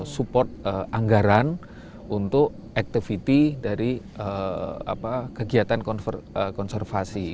support anggaran untuk activity dari kegiatan konservasi